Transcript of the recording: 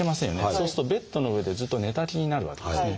そうするとベッドの上でずっと寝たきりになるわけですね。